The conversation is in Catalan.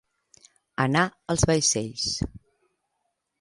Anar als vaixells.